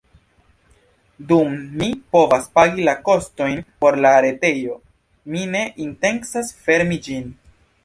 Dum mi povas pagi la kostojn por la retejo mi ne intencas fermi ĝin.